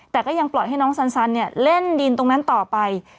แต่ก็ยังปล่อยให้น้องสันเล่นดินตรงนั้นต่อไป